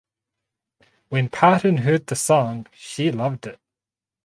When Parton heard the song she loved it.